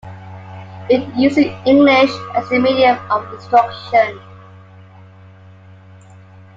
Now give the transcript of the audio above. It uses English as the medium of instruction.